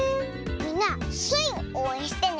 みんなスイをおうえんしてね！